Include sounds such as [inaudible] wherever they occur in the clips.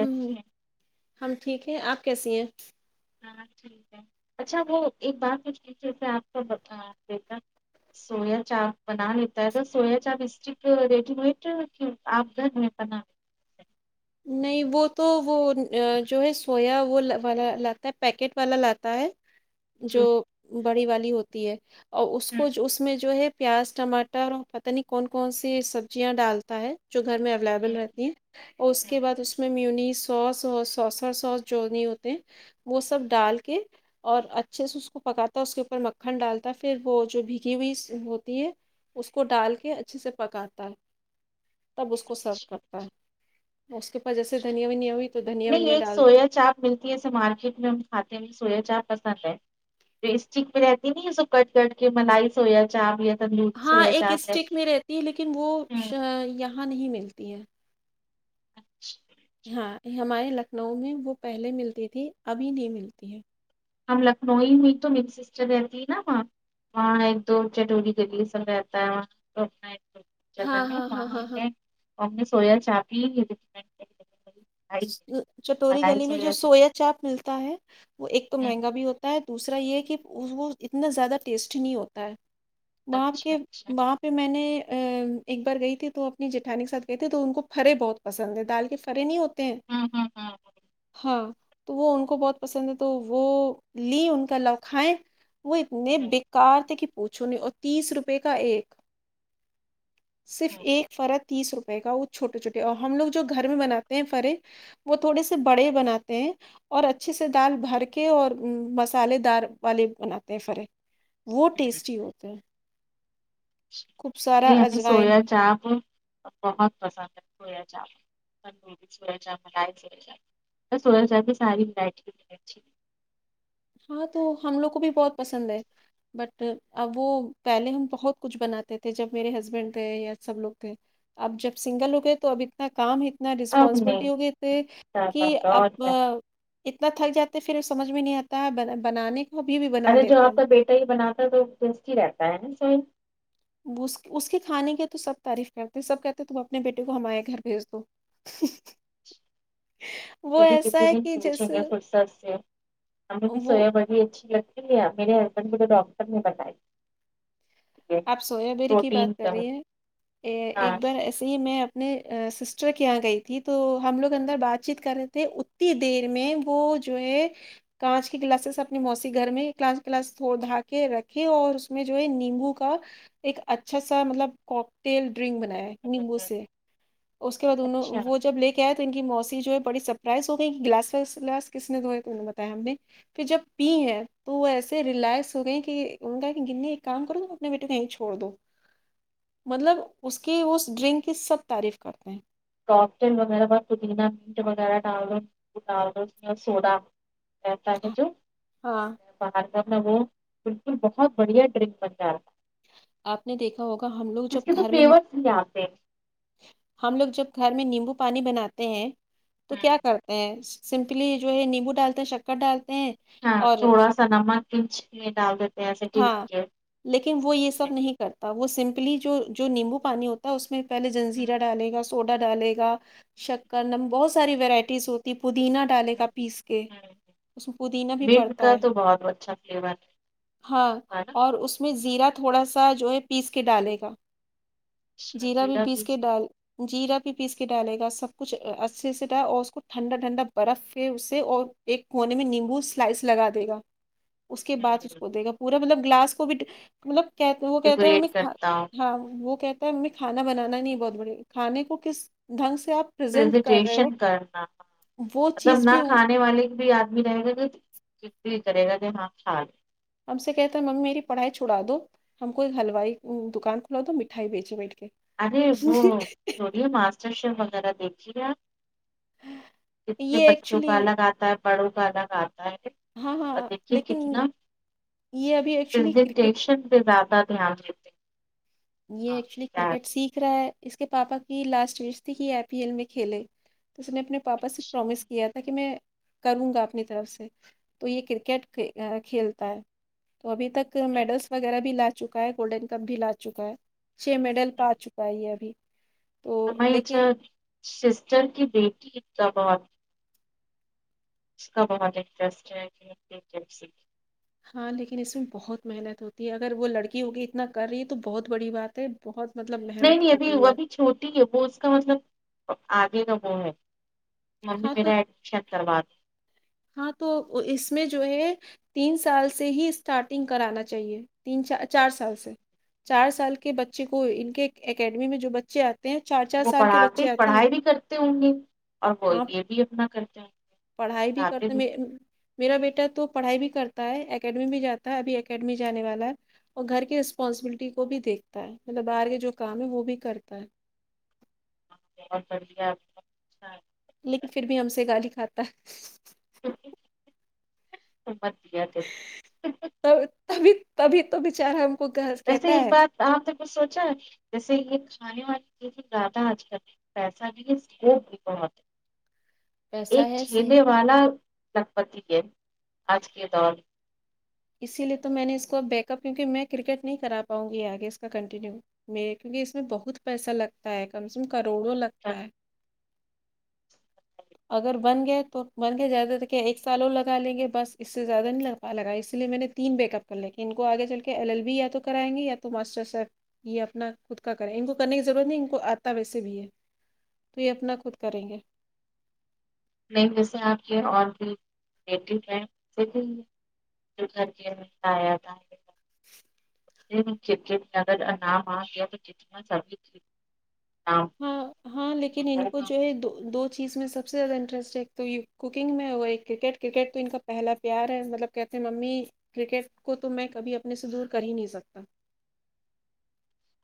ہ ہے ہم ٹھیک ہے آپ کیسی ہیں ہاں ٹھیک ہے اچھا وہ ایک بات مجھے پوچھنی سے آپ کو بتا دکھ سویا چاپ بنا لیتا ہے تو soya chaap stick ready made کی آپ گھر میں بنا نہیں وہ تو وہ جو ہے سویا وہ والا لاتا ہے پیکٹ والا لاتا ہے جی جو ہوں بڑی والی ہوتی ہے اور اس ہوں کو اس میں جو ہے پیاز ٹماٹر اور پتہ نہیں کون کون سی سبزیاں ڈالتا ہے جو گھر میں اویلیبل رہتی ہیں اور اس ہوں، کے بعد اس میں میونی سوس اور سوسا سوس جو نہیں ہوتے وہ سب ڈال کے اور اچھے سے اس کو پکاتا ہے اس کے اوپر مکھن ڈالتا پھر وہ جو بھیگی ہوئی ہوتی ہے اس کو ڈال کے اچھے سے پکاتا ہے تب اس کو سرف اچھا کرتا ہے اس کے پاس جیسے دھنیا بیا ہوئی تو دھنیا نہیں ونیا ایک ڈال دیں سویا چاپ ملتی ہےے مارکیٹ میں ہم کھاتے ہیں سویا چاپ پسند ہے پ اسٹک میں رہتی نا یہ سب کٹ کرٹ کے ملائی سو یا چا بھییا ہاں ایک اسٹک میں رہتی ہے لیکن وہ ہوں، یہاں نہیں ملتی ہے اچھا ہاں ہمارے لکھنؤ میں وہ پہلے ملتی تھی ابھی نہیں ملتی ہے ہم لکھنؤئی ہوئی تو میری سسٹر رہتی نااں ہاں ایک دو چٹوری کے لیے سب رہتا ہےاںنا ہاں ہاں ہاں ہاں ہاں جگہایں سویا چاابی رمڈ کر چٹوری گلی میں جو سویا چاپ ملتا ہے وہ ایک تو چاپ مہنگا بھی ہوتا ہے دوسرا یہ ہے کہ وہ اتنا زیادہ ٹیسٹ نہیں ہوتا ہے باپ اچھا کے اچھا باپ میں نے ایک بار گئی تھی تو اپنی جٹھانی کے ساتھ گئے تھے تو ان کو پھرے بہت پسند ہے دال کے پرے نہیں ہوتے ہیں ہاں ہاں ہاں ہاں تو وہ ان کو بہت پسند ہے تو وہ لی ان کا لوکھائیں وہ اتنے بیکار تھے کہ پوچھو نہیں اور تیس روپے کا ایک صرف ایک فرت تیس روپئے کا وہ چھوٹے چھوٹے اور ہم لوگ جو گھر میں بناتے ہیں وہ تھوڑے سے بڑے بناتے ہیں اور اچھے سے دال بھر کے اور مسالے دار والے بناتے ہیں فرق وہ ٹیسٹی ہوتا ہے جی ہمیں سویا اجوائن چاپ بہت پسند ہے سویا چاپ سویا چاپ مانگیں تھے سویا چاپ میں ساری وریڑی ہاں تو ہم لوگ کو بھی بہت پسند ہے بٹ اب وہ پہلے ہم بہت کچھ بناتے تھے جب میرے ہسبینڈ تھے یا سب لوگ تھے اب جب سنگل ہو گئے تو ابھی انا کام اتنا اب رسپانسبلٹی نہیں ہو گئے تھے کہ اور اب کیا اتنا تھک جاتا ہے پھر سمجھ میں نہیں آتا ہے بنانے کو ابھی بھی بنا اپہلے جو لیتے ہیں آپ کا بیٹا ہی بنات ہے تو دس ہی رہتا ہے نا صحیح اس کے کھانے کی تو سب تعریف کرتے سب کہتے تم اپنے بیٹے کو ہمارے گھر بھیج دو وہ کبھی ایسا کسی ہے بھی کہ پوچھیں گے جیسے فرصت سے ہمیں بھی وہ سویا بڑی اچھی لگتی ہے ج میرے ہسبینڈ کو تو ڈاکٹر نے بتائی ہے آپ سویا بیری کی پروٹین بات کر کم رہی ہیں ا ہاں ایک بار جے میں اپنے سسٹر کے یہاں گئی تھی تو ہم لوگ اندر بات چیت کر رہے تھے اتی دیر میں وہ جو ہے کانچ کی گلاسز اپنے موسی گھر میں کانچ کی گلاس تھ دھا کے رکھے اور اس میں جو ہے نمبو کا کا ایک اچھا سا مطلب کوکٹیل ڈرنک بنایا ہے نیمبو سے اس کے بعد انوں اچھا وہ جب لے کیا تو ان کی موسی جو ہےڑی سرپرائز ہو گئی کہ گلاسس گلاس کس نے دھوئے تو انہیں بتایا ہم نے پھر جب پی ہے تو وہ ایسے ریلیکس ہو گئے کہ انوں نے کہا کہ گننے ایک کام کروںا بیٹے کہیں چھوڑ دو مطلب اس کی اس ڈرنک کی سب تعریف کرتے ہیں کٹیل وغیرہ ب پودینہ میٹ وغیرہ ڈال دوو ڈال دوو یا سوڈا تا کہ تو ہاں باہر کا میں وہ بالکل بہت بڑھیا ڈرنک بنتا رہا آپ نے دیکھا ہوگا ہم لوگ اس جب کے تو گھر میں فلیورس بھی آتے ہیں ہم لوگ جب گھر میں نیمبو پانی بناتے ہیں تو ہوں، کیا کرتے ہیں سمپلی جو ہے نیمبو ڈالتے ہیں شکر ڈالتے ہیں ہاں اور تھوڑا سا نمک پچ یہ ڈال دیتے ہے ای س ٹیٹی ہاں لیکن وہ یہ سب نہیں کرتا وہ سمپلی جو جو نیمبو پانی ہوتا ہے اس میں پہے ہوں جنجیر ڈالے گا سوڈا ڈالے گا شکر نم بہت ساری وورائٹیز ہوتی پودینا ڈالے کا ہوں پیس کے ہوں اس میں پودینہ بھی منٹ پڑتا کا ہے تو بہت اچھا فلیور ہے ہاں نا اور اس میں زیرہ تھوڑا سا جو ہے پیس کے ڈالے گا جیرا بھی پیس کے ڈال جیرہ بھی پیس کے ڈالے گا سب کچھ اچھے سے ڈال اور اس کو ٹھنڈا ٹھنڈا برف پ اس سے اور ایک کونے میں نیمبو سلائس لگا دے گا اس کے بعد اس کو دے گا پورا مطلب گلاس کو بھی مطلب کہ وہ کہتے ہیں ہمیں ڈیکوریٹ کرتا ہوں ہاں وہ کہ یں کھانا بنانا نہیں بہت بڑھے کھانے کو کس ڈھنگ سے آپ پرزینٹ کر رہے ہو زیٹیشن کرنا تھا وہ مطلب چیز نہ بھی وہ- کھانے والے بھی آدمی رہے گا چتی کرے گا کہ ہاں کھ ل ہم سے کہتا ہے ممی میری پڑھائی چھڑا دو ہم کو ہلوائی دکان کھلا تو مٹھائی بیچے بیٹھ کے ارے وہ چوڑیے ماسٹر شیف وغیرہ دیکھیے آپ کتنے یہ بچوں کا ایکچولی الگ آتا ہے بڑوں کا الگ آتا ہے ہاں ہاں دیکھیے لیکن کتنا یہ ابھی ایکچولی کرکٹ پرزنٹیشن پہ زیادہ دھیان د یہ ایکچولی کرکٹ سیکھ رہا ہے اس کے پاپا کی لاسٹ وش تھی ہی آئی پی ایل میں کھیلے تو اس نے اپنے پاپا سے پرومس اچھا، کیا تھا کہ میں کروں گا اپنی طرف سے تو یہ کرکٹ کھیلتا ہے تو ابھی تک میڈلس وغیرہ بھی لا چکا ہے گولڈن کپ بھی لا چکا ہے چھ میڈل پا چکا ہے یہ ابھی تو ہماری جو لیکن سسٹر کی بیٹی انا بہت اس کا بہت انٹرسٹ ہے کرکٹ کو سیکھنے میں ہاں لیکن اس میں بہت محنت ہوتی ہے اگر وہ لڑکی ہوگی اتنا کر رہی ہے تو بہت بڑی بات ہے بہت مطلب محنت کر رہی ہے ٹھیک ہے وہ اس کا مطلب آگے تو وہ ہے ممی ہاں تو میرا ایڈمشن کروا د ہاں تو اس میں جو ہے تین سال سے ہی اسٹارٹنگ کرانا چاہیے تین چ چار سال سے چار سال کے بچے کو ان کے اکیڈمی میں جو بچے آتے ہیں چار چار وہ سال کے پڑھاتے بچے آتے ہیں پڑھائی بھی کرتے ہوں گے اور وہ ہاں یہ بھی اپنا کرتے ہوں گے پڑھائی بھی کرتے میں میرا بیٹا تو پڑھائی بھی کرتا ہے اکیڈمی بھی جاتا ہے ابھی اکیڈمی جانے والا ہے اور گھر کی رسپانسبلٹی کو بھی دیکھتا ہے مطلب باہر کے جو کام ہے وہ بھی کرتا ہے بہت بڑھیا اچھا لیکن پھر بھی ہم سے گالی کھاتا بدیا ت تبھی تبھی تو بچار ہم کو گھر ویسے کہتا ایک ہے بات آپ نے کچھ سوچا ہے جیسے یہ کھانے والی چیز ہی زیادہ آج کل پیسہ کے لیے اسکوپ بھی بہت ہے پیسہ ایک ہے سے ٹھیلے والا لکھپتی ہے آج کے دور اسی لیے تو میں نے اس کو بیک اپ کیونکہ میں کرکٹ نہیں کرا پاؤں گی آگے اس کا کنٹینیو میں کیونکہ اس میں بہت پیسہ لگتا ہے کم سے کم کروڑوں لگتا ہے اگر بن گئے تو بن گئے زیادہ ت کیا ایک سال اور لگا لیں گے بس اس سے زیادہ نہیں لگ پا لگا اسی لیے میں نے تین بیک اپ کر لیں کے ان کو آگے چل کے ایل ایل بی یا تو کرائیں گے یا تو ماسٹر سحب یہ اپنا خود کا کریں ان کو کرنے کی ضرورت نہیں ان کو آتا ویسے بھی ہے تو یہ اپنا خود کریں گے نہیں ویسے آپ کے اور بھی ریلیٹیو ہے گھر کے آیا تھا چ میں چپ چپ اگر انام آ گیا تو چ سبھی نام ہاں ہاں لیکن ان کو ہوگا جو ہے دو دو چیز میں سب سب سے زیادہ انٹرسٹ ہے ایک تو کوکنگ میں ہو ایک کرکٹ کرکٹ تو ان کا پہلا پیار ہے مطلب کہتے ہیں ممی کرکٹ کو تو میں کبھی اپنے سے دور کر ہی نہیں سکتا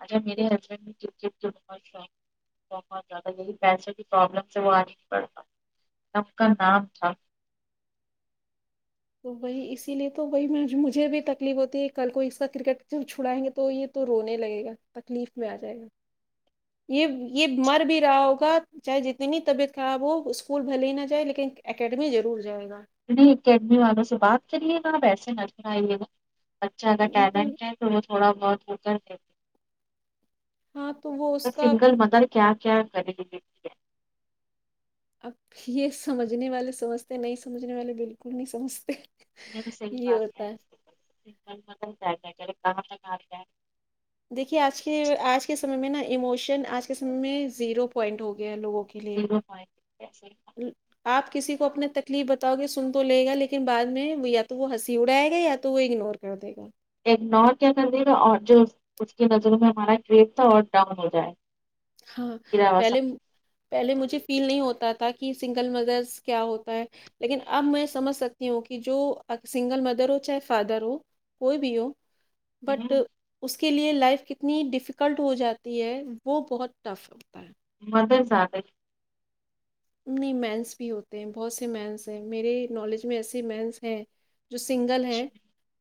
اچھا تو میرے ہسبینڈ بھی کرکٹ بہت شوق بہت زیادہ لیکن پیسے کی پرابلم سے وا نہی پڑتا سب کا نام تھا تو وہی اسی لیے تو وہی میں مجھے بھی تکلیف ہوتی ہے کل کو اسے کرکٹ جب چھڑائیں گے تو یہ تو رونے لگے گا تکلیف میں آ جائے گا یہ یہ مر بھی رہا ہوگا چاہے جتنی طبیعت خراب ہو اسکول بھلے ہی نہ جائے لیکن اکیڈمی ضرور جائے گا نہیں اکیڈمی والوں سے بات کریے گا آب ایسے نسر آئیے نا بچہ اگر تو ٹیلنٹ ہے تھوڑا بہت ہوتا ہے ہاں تو وہ اس کا سنگل مدر کیا کیا کریں اب یہ سمجھنے والے سمجھتے نہیں سمجھنے والے بالکل نہیں سمجھتے یہ بھی صحیح بات ہے سنگل مدر کیا کیا کرے کہا تک اگے جائے دیکھیے آج کے آج کے سمے میں نا اموشن آج کے سمے میں زیرو پوائنٹ ہو گیا لوگوں کے کے لیے زیرو پوائنٹ ایسے آپ کسی کو اپنا تکلیف بتاؤ گے سن تو لے گا لیکن بعد میں یا تو وہ ہنسی اڑائے گا یا تو وہ اگنور کر دے گا اگنور کیا کر دیے گا اور جو اس کی نظروں میں ہمارا ٹریپ تھا اور ڈاؤن ہو جائے ہاں گرا ہوا پہلے سب پہلے مجھے فیل نہیں ہوتا تھا کہ سنگل مدرس کیا ہوتا ہے لیکن اب میں سمجھ سکتی ہوں کہ جو اس سنگل مدر ہو چاہے فادر ہو کوئی بھی ہو بٹ اس کے لیے لائف کتنی ڈفیکلٹ ہو جاتی ہے وہ بہت ٹف ہوتا ہے مدر زیادہ ہے نہیں مینس بھی ہوتے ہیں بہت سے مینس ہیں میرے نالج میں ایسے مینس ہیں جو سنگل ہے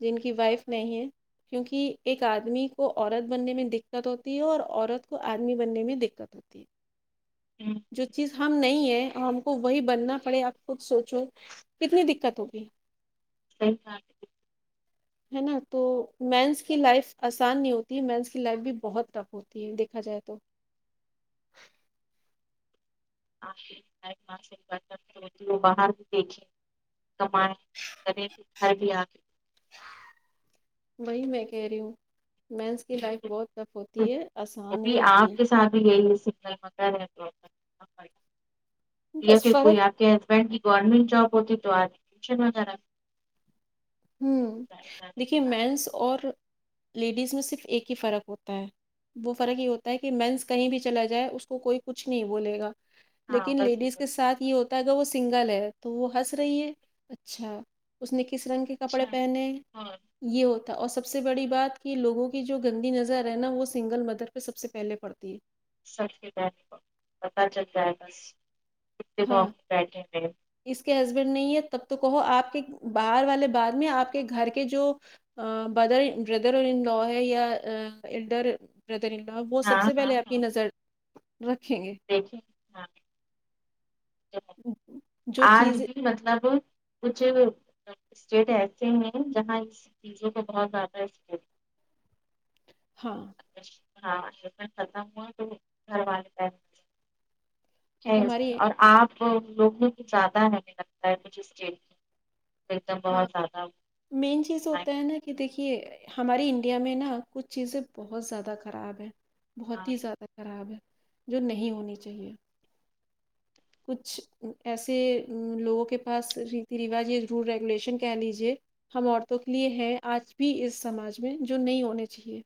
جن کی وائف نہیں ہے کیونکہ ایک آدمی کو عورت بننے میں دکت ہوتی ہے اور عورت کو آدمی بننے میں دکت ہوتی ہے ہوں جو چیز ہم نہیں ہیں اور ہم کو وہی بننا پڑے آپ خود سوچو کتنی دکت ہوگی صحیح کہا ہے نا تو مینس کی لائف آسان نہیں ہوتی مینس کی لائف بھی بہت ٹف ہوتی ہے دیکھا جائے تو [unintelligible] باہر بھی دیکھے کمائ کرے بھی گھر بھی آکے وہی میں کہہ رہی ہوں مینس کی لائف بہت ٹف ہوتی ہے آسان نہیں ہوتی ہے ا بھی یہ سنگل مدر ہیں تو [unintelligible] یا بس پھر کوئی فرق آپ کے ہسبینڈ کی گورنمنٹ جوب ہوتی تو آج ٹیشن وغیرہ ہوں جانے کے دیکھیے بعد مینس اور لیڈیز میں صرف ایک ہی فرق ہوتا ہے وہ فرق یہ ہوتا ہے کہ مینس کہیں بھی چلا جائے اس کو کوئی کچھ نہیں بولے گا ہاں لیکن بس لیڈیز کے ساتھ یہ ہوتا گا وہ سنگل ہے تو وہ ہنس رہی ہے اچھا اس نے کس رنگ کے کپڑے اچھا پہنےہے اور یہ ہوتا اور سب سے بڑی بات کہ لوگوں کی جو گندی نظر ہے نا وہ سنگل مدر پہ سب سے پہلے پڑتی ہے سب کےپہناوے کو پتا چلتا ہے بس کتنے ہاں بیٹھے ہیںئے [unintelligible] اس کے ہسبینڈ نہیں ہے تب تو کہو آپ کے باہر والے بعد میں آپ کے گھر کے جو ا بدر یا برادر ان لوہے یہ ایلڈر برادرنلوا وہ سب ہاں سے پہلے آپ کی نظر رکھیں گے دیکھییں ہاں جو آج چیز بھی مطلب کچھ اسٹیٹ ایسے ہیں جہاں اس چیزوں کو بہت زیادہ ہے سک ہاں ہاں کرتا ہ گھر والے ہے بٹ اس سے ہماری اور آپ لوگوں کو زیادہ ہمیں لگتا ہے مجھے اسٹیٹ میں ایک دم ہاں بہت زیادہ مین چیز ہوتا ہے نا کہ دیکھیے ہمارے انڈیا میں نا کچھ چیزیں بہت زیادہ خراب ہیں بہت ہی زیادہ خراب ہے جو نہیں ہونی چاہیے کچھ ایسے لوگوں کے پاس ریتی روج یہ ضرور رہ ریلیشن کہ لیجیے ہم عورتوں کے لیے ہیں آج بھی اس سماج میں جو نہیں ہونے چاہیے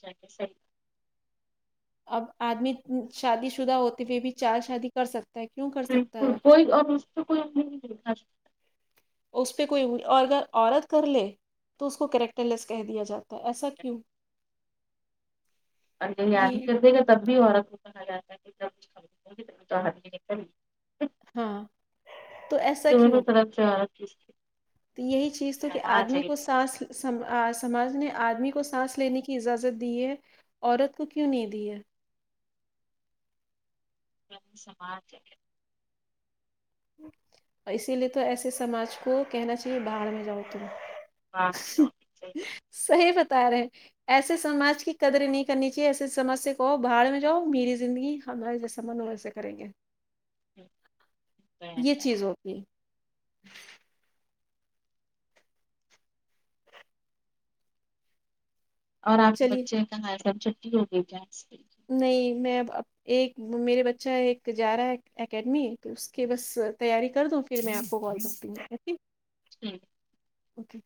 جا کے صحیح اب آدمی شادی شدہ ہوتے ہوئے بھی چار شادی کر سکتا ہے کیوں کر سکتا ہے بالکل کوئی اور اس کوئی اس پہ کوئی اور اگر عورت کر لے تو اس کو کیریکٹر لیس کہہ دیا جاتا ہے ایسا کیوں ا یاد ہی یہ کر دے گا تب بھی عورت [unintelligible] ہاں تو ایسا کیوں دونوں طرف جا رکھے اس کی تو یہی چیز تو کہ سما آدمی جائیے کو سانس سماج نے آدمی کو سانس لینے کی اجازت دی ہے عورت کو کیوں نہیں دی ہے گ سماج ہے اور اسی لیے تو ایسے سماج کو کہنا چاہیے بھاڑ میں جاؤ تم [unintelligible] صحیح بتا رہے ہیں ایسے سماج کی قدریں نہیں کرنی چاہیے ایسے سمج سے کہو بھاڑ میں جاؤ میری زندگی ہم ای جیسا من ہو ویسے کریں گے یہ چیز ہوتی اور آپ کے چلیے بچے کہاں ہے سب چھٹی ہو گئی کیا آج کی نہیں میں ایک میرے بچہ ایک جا رہا ہے اکیڈمی تو اس کے بس تیاری کر دو پھر میں آپ کو کال کرتی ہوںی جی اوکے